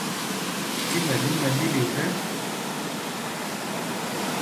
Ti mɛlu mɛ ɓílik ɛ.